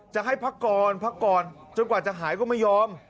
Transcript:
จะให้พักก่อนพักก่อนจนกว่าจะหายก็ไม่ยอม